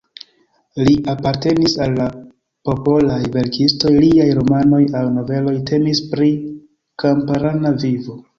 Li apartenis al la popolaj verkistoj, liaj romanoj aŭ noveloj temis pri kamparana vivo.